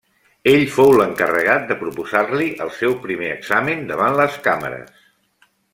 Ell fou l'encarregat de proposar-li el seu primer examen davant les càmeres.